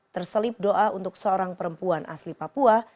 terselip doa untuk seorang perempuan asli papua